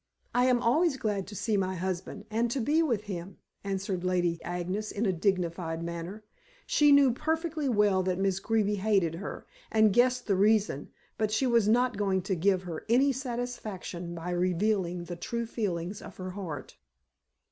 "I am always glad to see my husband and to be with him," answered Lady Agnes in a dignified manner. She knew perfectly well that Miss Greeby hated her, and guessed the reason, but she was not going to give her any satisfaction by revealing the true feelings of her heart.